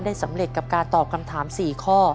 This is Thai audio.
สำเร็จกับการตอบคำถาม๔ข้อ